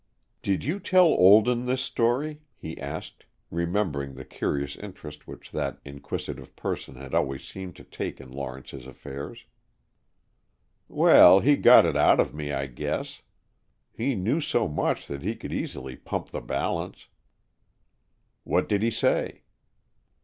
"Did you tell Olden this story?" he asked, remembering the curious interest which that inquisitive person had always seemed to take in Lawrence's affairs. "Well, he got it out of me, I guess. He knew so much that he could easily pump the balance." "What did he say?"